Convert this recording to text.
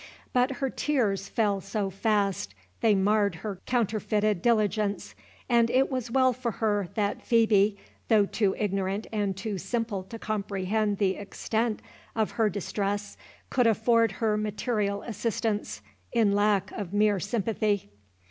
But her tears fell so fast, they marred her counterfeited diligence; and it was well for her that Phœbe, though too ignorant and too simple to comprehend the extent of her distress, could afford her material assistance, in lack of mere sympathy.